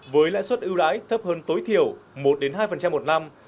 với lãi suất ưu đãi thấp hơn tối thiểu một hai một năm